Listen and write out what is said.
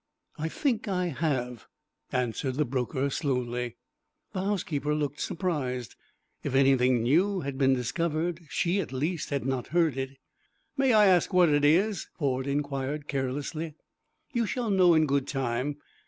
"I think I have," answered the broker, slowly. The housekeeper looked surprised. If anything new had been discovered, she at least had not heard it. "May I ask what it is?" Ford inquired, carelessly. "You shall know in good time.